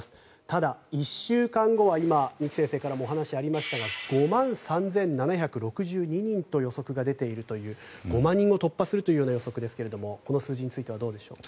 ただ、１週間後は今、二木先生からもお話がありましたが５万３７６２人と予測が出ているという５万人を突破するという予測ですがこの数字についてはどうでしょう。